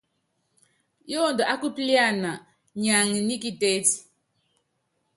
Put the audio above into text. Yoondo ákupíliana niaŋa nḭ kitétí.